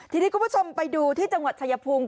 ทีนี้คุณผู้ชมไปดูที่จังหวัดชายภูมิ